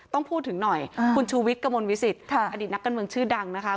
ต้องพูดถึงหน่อยคุณชูวิทย์กระมวลวิสิตอดีตนักการเมืองชื่อดังนะคะ